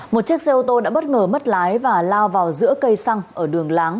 một chiếc xe ô tô đã bất ngờ mất lái và lao vào giữa cây xăng ở đường láng